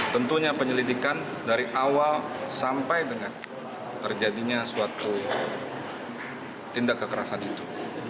tentunya penyelidikan dari awal sampai dengan terjadinya suatu tindak kekerasan itu